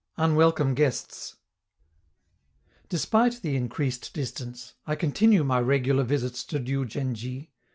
UNWELCOME GUESTS Despite the increased distance, I continue my regular visits to Diou djen dji.